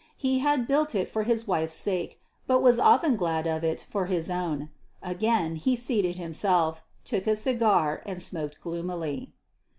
He had built it for his wife's sake, but was often glad of it for his own. Again he seated himself, took a cigar, and smoked gloomily.